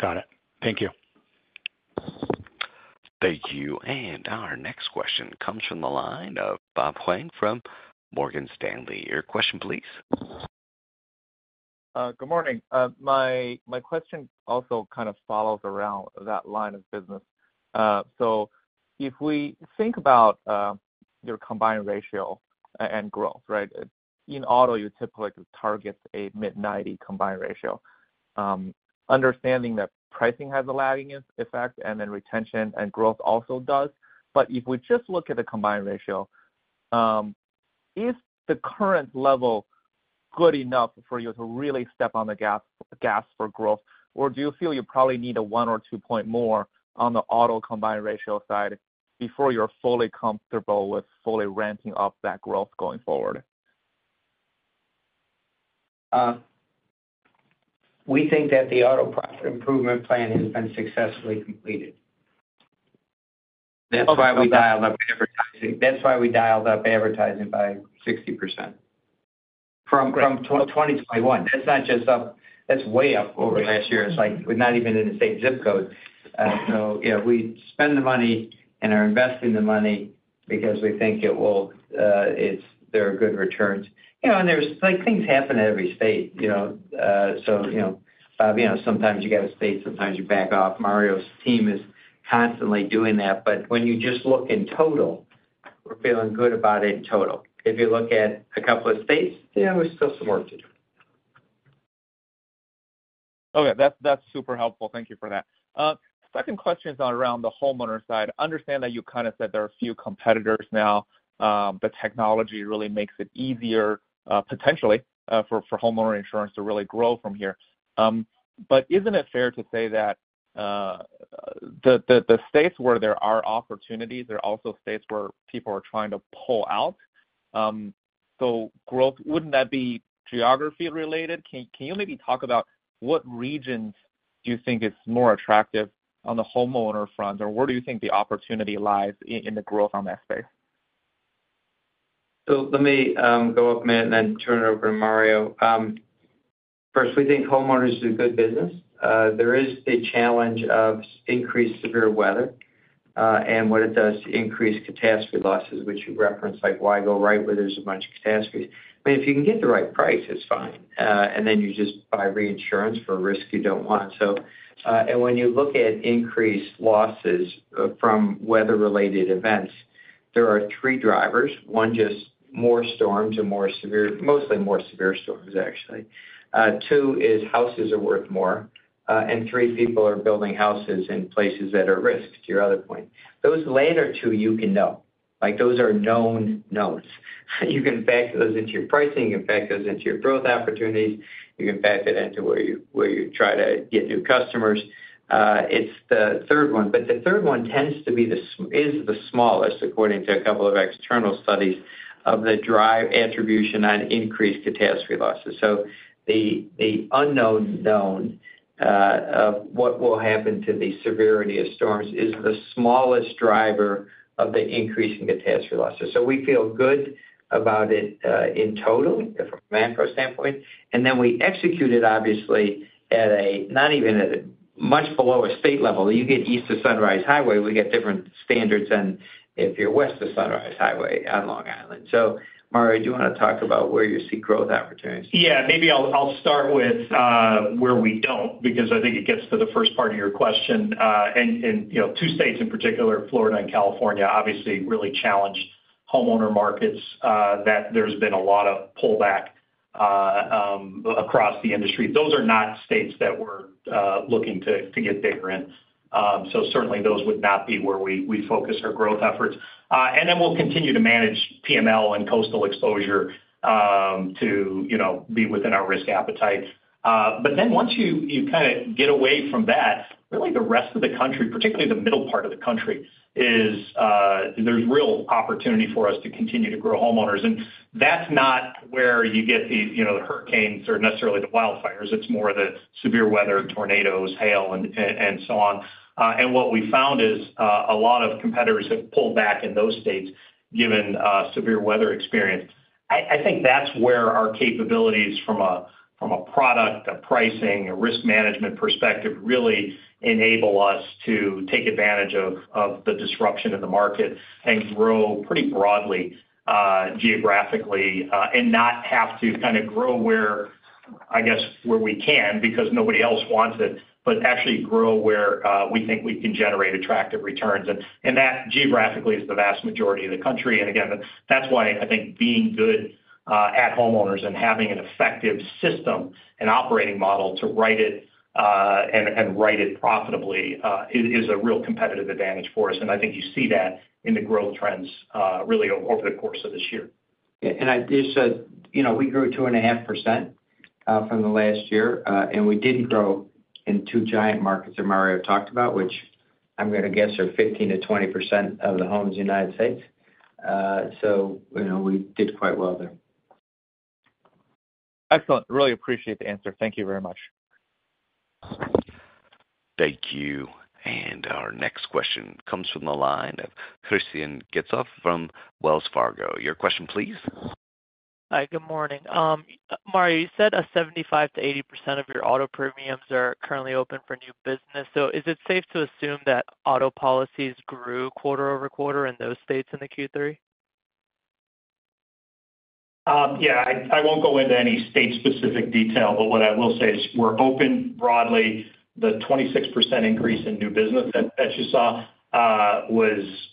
Got it. Thank you. Thank you. And our next question comes from the line of Bob Huang from Morgan Stanley. Your question, please. Good morning. My question also kind of follows around that line of business. So if we think about your combined ratio and growth, right, in auto, you. Typically target a mid 90 combined ratio, understanding that pricing has a lagging effect and then retention and growth also does. But if we just look at the combined ratio, is the current level good? Enough for you to really step on the gas for growth, or do you feel you probably need a one or two point more on the auto combined ratio side before you're fully comfortable with fully ramping up that growth going forward? We think that the auto profit improvement plan has been successfully completed. That's why we dialed up advertising. That's why we dialed up advertising by 60% from 2021. That's not just up, that's way up over last year. It's like we're not even in the same zip code. So yeah, we spend the money and are investing the money because we think it will. There are good returns, you know, and there's like things happen at every state, you know, so, you know, sometimes you got to stay, sometimes you back off. Mario's team is constantly doing that. But when you just look in total, we're feeling good about it in total. If you look at a couple of states, yeah, there's still some work to do. Okay, that's super helpful. Thank you for that. Second question is around the homeowner side. I understand that you kind of said there are a few competitors now. The technology really makes it easier potentially for homeowner insurance to really grow from here. But isn't it fair to say that the states where there are opportunities, there are also states where people are trying to pull out. So growth, wouldn't that be geography related? Can you maybe talk about what regions. Do you think is more attractive on? The homeowner front or where do you? Think the opportunity lies in the growth in that space? So let me back up a minute and then turn it over to Mario first. We think homeowners do good business. There is the challenge of increased severe weather and what it does to increase catastrophe losses, which you referenced. Like, why grow right where there's a bunch of catastrophes? If you can get the right price, it's fine. And then you just buy reinsurance for a risk you don't want. So and when you look at increased losses from weather-related events, there are three drivers. One just more storms and more severe, mostly more severe storms. Actually two is houses are worth more and three people are building houses in places that are risky. To your other point, those latter two you can know like those are known knowns. You can factor those into your pricing, you can factor those into your growth opportunities. You can factor them to where you try to get new customers. It's the third one but the third one tends to be the smallest according to a couple of external studies of the driver attribution on increased catastrophe losses. So the unknown known of what will happen to the severity of storms is the smallest driver of the increase in catastrophe losses. So we feel good about it in total from a managed standpoint. And then we executed obviously at a not even much below a state level. You get east of Sunrise Highway, we get different standards and if you're west of Sunrise Highway on Long Island. So Mario, do you want to talk about where you see growth opportunities? Yeah, maybe I'll start with where we don't because I think it gets to the first part of your question and you know, two states in particular, Florida and California obviously really challenged homeowner markets that there's been a lot of pullback across the industry. Those are not states that we're looking to get bigger in. So certainly those would not be where we focus our growth efforts, and then we'll continue to manage PML and coastal exposure to be within our risk appetite. But then once you kind of get away from that, really the rest of the country, particularly the middle part of the country, there's real opportunity for us to continue to grow homeowners. And that's not where you get the, you know, the hurricanes or necessarily the wildfires. It's more the severe weather, tornadoes, hail and so on. What we found is a lot of competitors have pulled back in those states given severe weather experience. I think that's where our capabilities from a product, a pricing, a risk management perspective really enable us to take advantage of the disruption in the market and grow pretty broadly geographically and not have to kind of grow where, I guess where we can because nobody else wants it, but actually grow where we think we can generate attractive returns. That geographically is the vast majority of the country. Again, that's why I think being good at homeowners and having an effective system and operating model to write it and write it profitably is a real competitive advantage for us. I think you see that in the growth trends really over the course of this year. I just said, you know, we grew 2.5% from the last year, and we didn't grow in two giant markets that Mario talked about, which I'm going to guess are 15%-20% of the homes in the United States. So we did quite well there. Excellent. Really appreciate the answer. Thank you very much. Thank you. Our next question comes from the line of Elyse Greenspan from Wells Fargo. Your question, please. Hi, good morning. Mario, you said 75%-80% of your auto premiums are currently open for new business. So is it safe to assume that auto policies grew quarter over quarter in those states in the Q3? Yeah, I won't go into any state specific detail, but what I will say is we're open broadly. The 26% increase in new business that you saw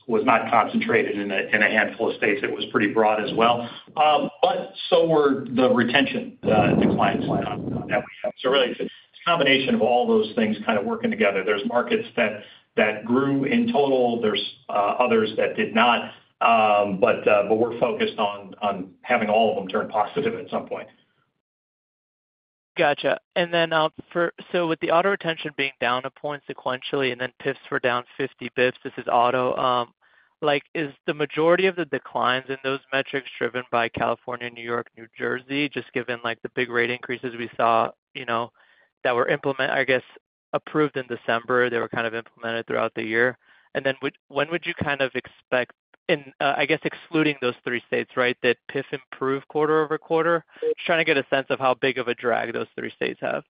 was not concentrated in a handful of states. It was pretty broad as well, but so were the retention declines that we have. So really it's a combination of all those things kind of working together. There's markets that grew in total, there's others that did not, but we're focused on having all of them turn positive at some point. Gotcha. And then so with the auto retention being down one point sequentially, and then PIFs were down 50 basis points, this is auto like is the majority of the declines in those metrics driven by California, New York, New Jersey, just given like the big rate increases we saw, you know, that were implemented, I guess approved in December, they were kind of implemented throughout the year. And then when would you kind of. Except, I guess, excluding those three states. Right. That PIF improved quarter over quarter. Just trying to get a sense of how big of a drag those three states have.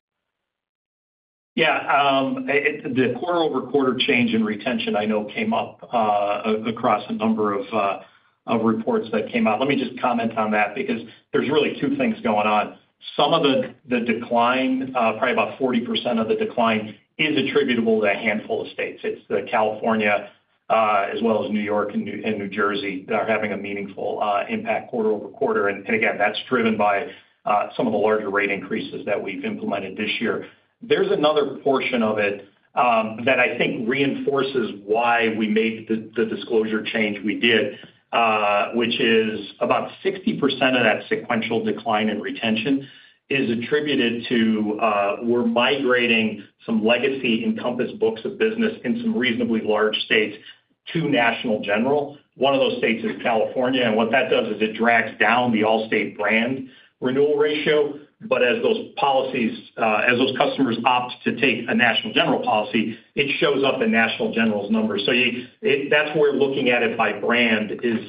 Yeah, the quarter over quarter change in retention, I know came up across a number of reports that came out. Let me just comment on that because there's really two things going on. Some of the decline, probably about 40% of the decline is attributable to a handful of states. It's California as well as New York and New Jersey that are having a meaningful impact quarter over quarter. And again that's driven by some of the larger rate increases that we've implemented this year. There's another portion of it that I think reinforces why we made the disclosure change we did, which is about 60% of that sequential decline in retention is attributed to. We're migrating some legacy Encompass books of business in some reasonably large states to National General. One of those states is California. What that does is it drags down the Allstate brand renewal ratio. But as those policies, as those customers opt to take a National General policy, it shows up in National General's number. So that's where looking at it by brand is.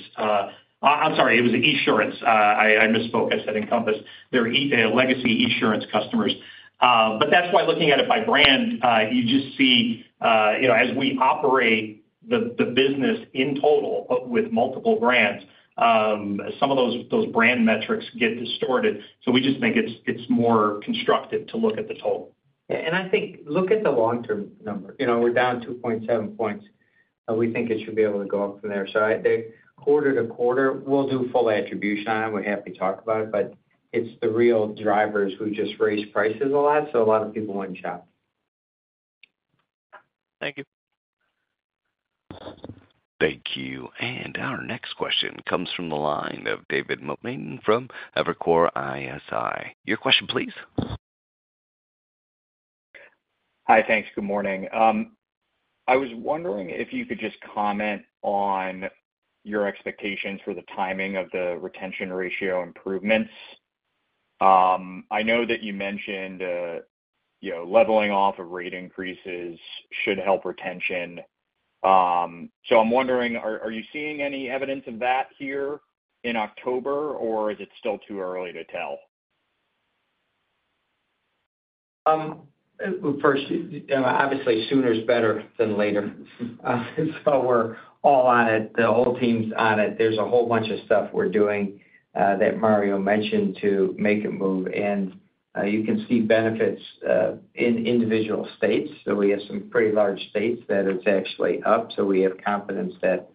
I'm sorry, it was Esurance. I misspoke. I said Encompass their legacy Esurance customers. But that's why looking at it by brand, you just see, you know, as we operate the business in total with multiple brands, some of those brand metrics get distorted. So we just think it's more constructive to look at the total and I. I think, look at the long-term number. You know, we're down 2.7 points. We think it should be able to go up from there. So I think quarter to quarter we'll do full attribution on it. We're happy to talk about it. But it's the real drivers who just raise prices a lot so a lot of people wouldn't shop. Thank you. Thank you. Our next question comes from the. Line of David Motemaden from Evercore ISI. Your question please. Hi, thanks. Good morning. I was wondering if you could just comment on your expectations for the timing of the retention ratio improvements. I know that you mentioned, you know, leveling off of rate increases should help retention. So I'm wondering, are you seeing any evidence of that here in October or is it still too early to tell? First, obviously sooner is better than later. So we're all on it, the whole team's on it. There's a whole bunch of stuff we're doing that Mario mentioned to make it move. And you can see benefits in individual states. So we have some pretty large states that it's actually up. So we have confidence that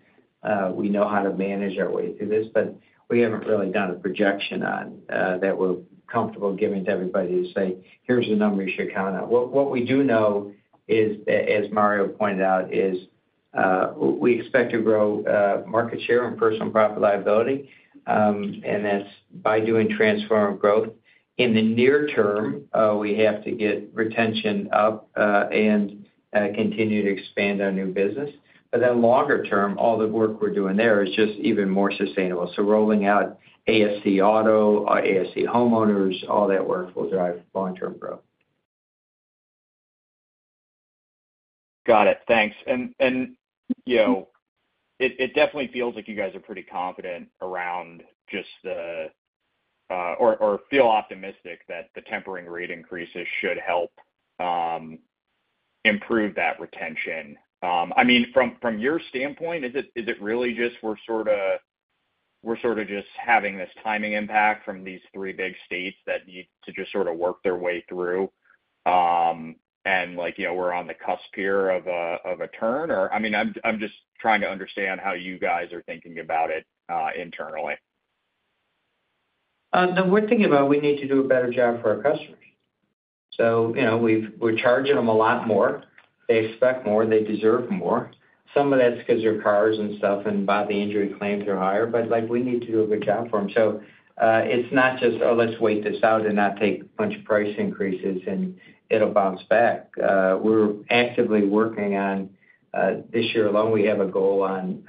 we know how to manage our way through this. But we haven't really done a projection on that. We're comfortable giving to everybody to say here's the number you should count on. What we do know is as Mario pointed out is we expect to grow market share and Property-Liability and that's by doing transformational growth. In the near term we have to get retention up and continue to expand our new business. But then longer term all the work we're doing there is just even more sustainable. So rolling out ASC auto, ASC homeowners, all that work will drive long term growth. Got it, thanks. You know, it definitely feels like you guys are pretty confident around just the or feel optimistic that the tempering rate increases should help improve that retention. I mean from your standpoint, is it really just. We're sort of just having this timing impact from these three big states that need to just sort of work their way through and like, you know, we're on the cusp here of a turn or I mean I'm just trying to understand how you guys are thinking about it internally. We're thinking about we need to do a better job for our customers. So you know we've, we're charging them a lot more, they expect more, they deserve more. Some of that's because their cars and stuff and bodily injury claims are higher. But like we need to do a good job for them. So it's not just oh let's wait this out and not take bunch of price increases and it'll bounce back. We're actively working on this year alone we have a goal on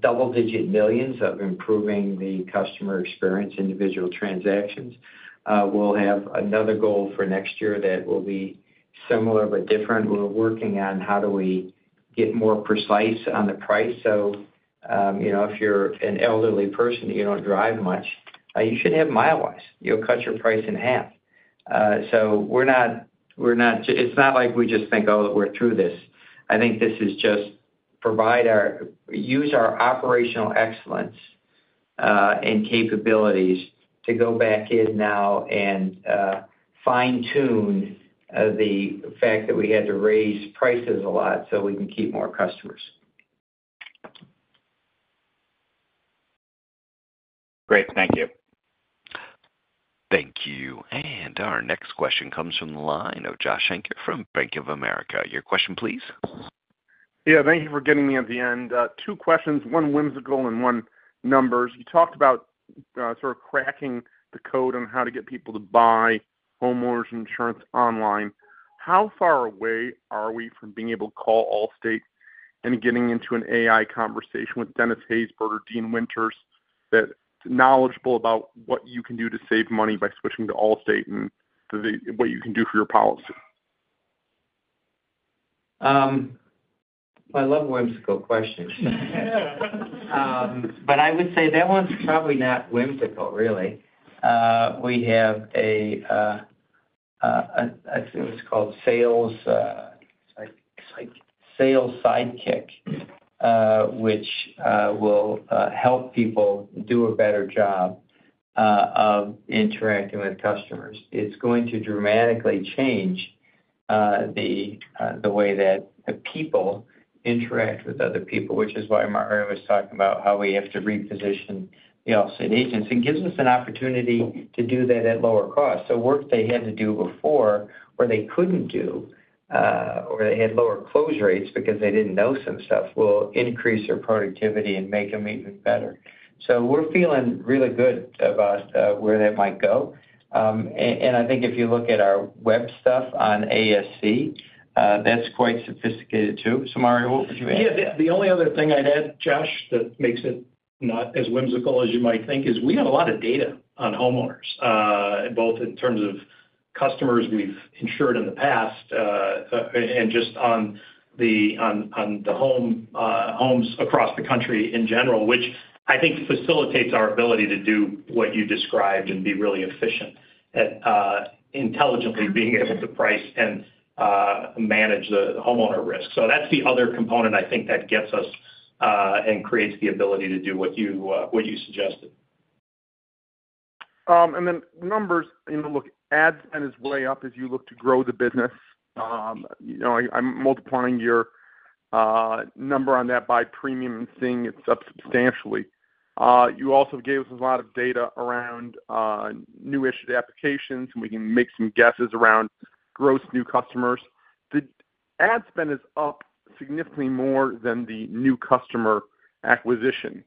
double-digit millions of improving the customer experience, individual transactions. We'll have another goal for next year that will be similar but different. We're working on how do we get more precise on the price. So you know, if you're an elderly person, you don't drive much, you should have Milewise you'll cut your price in half. So, we're not. It's not like we just think, oh, we're through this. I think this is just use our operational excellence and capabilities to go back in now and fine-tune the fact that we had to raise prices a lot, so we can keep more customers. Great, thank you. Thank you. And our next question comes from the line of Josh Shanker from Bank of America. Your question, please. Yeah, thank you for getting me at the end. Two questions, one whimsical and one numbers. You talked about sort of cracking the code on how to get people to buy homeowners insurance online. How far away are we from being able to call Allstate and getting into an AI conversation with Dennis Haysbert or Dean Winters that knowledgeable about what you can do to save money by switching to Allstate and what you can do for your policy? I love whimsical questions, but I would say that one's probably not whimsical. Really. We have a, I think it's called Sales Sidekick, which will help people do a better job of interacting with customers. It's going to dramatically change the way that people interact with other people, which is why Mario was talking about how we have to reposition the independent agents and gives us an opportunity to do that at lower cost. So work they had to do before where they couldn't do or they had lower close rates because they didn't know some stuff will increase their productivity and make them even better. So we're feeling really good about where that might go. And I think if you look at our web stuff on asc, that's quite sophisticated too. So Mario, what would you add? Yeah, the only other thing I'd add, Josh, that makes it not as whimsical as you might think is we have a lot of data on homeowners, both in terms of customers we've insured in the past and just on the homes across the country in general, which I think facilitates our ability to do what you described and be really efficient at intelligently being able to price and manage the homeowner risk. So that's the other component, I think that gets us and creates the ability to do what you suggested. And then numbers. Look, ad spend is way up. As you look to grow the business, I'm multiplying your number on that by premium and seeing it up substantially. You also gave us a lot of data around new issued applications. We can make some guesses around gross new customers. The ad spend is up significantly more than the new customer acquisition.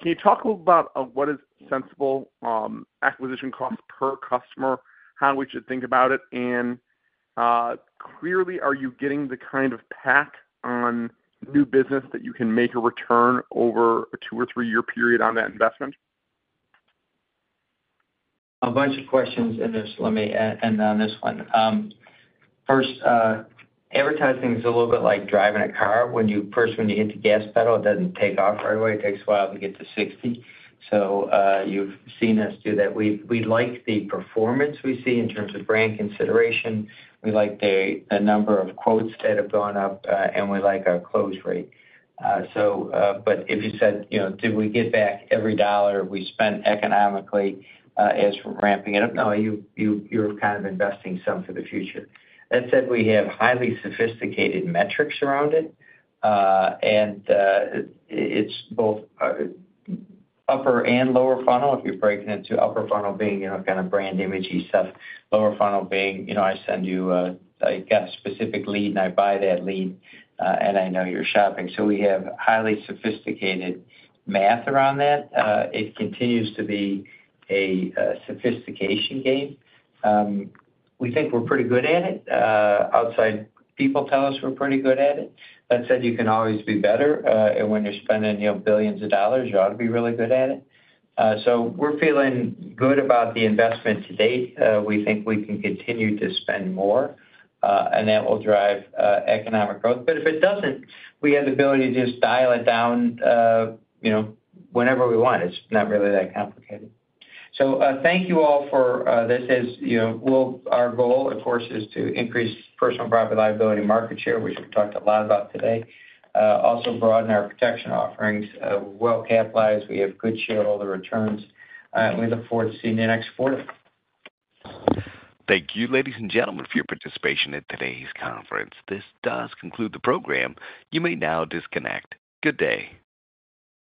Can you talk a little about what is sensible acquisition cost per customer, how we should think about it and clearly are you getting the kind of pack. On new business that you can make a return over a two or three. Year period on that investment? A bunch of questions. Let me end on this one. First, advertising is a little bit like driving a car. When you first, when you hit the gas pedal, it doesn't take off right away. It takes a while to get to 60. So you've seen us do that. We like the performance we see in terms of brand consideration. We like the number of quotes that have gone up and we like our close rate. So but if you said, you know, did we get back every dollar we spent economically as ramping it up? No. Are you. You're kind of investing some for the future. That said, we have highly sophisticated metrics around it and it's both upper and lower funnel. If you break it into upper funnel being, you know, kind of brand image stuff, lower funnel being, you know, I send you, I got a specific lead and I buy that lead and I know you're shopping. So we have highly sophisticated math around that. It continues to be a sophistication game. We think we're pretty good at it. Outside people tell us we're pretty good at it. That said, you can always be better. And when you're spending billions of dollars, you ought to be really good at it. So we're feeling good about the investment to date. We think we can continue to spend more and that will drive economic growth. But if it doesn't, we have the ability to just dial it down, you know, whenever we want. It's not really that complicated. So thank you all for this. As you know, our goal, of course, is to increase Property-Liability market share, which we talked a lot about today. Also broaden our protection offerings. Well capitalized. We have good shareholder returns. We look forward to seeing you next quarter. Thank you, ladies and gentlemen, for your. Participation in today's conference. This does conclude the program. You may now disconnect. Good day.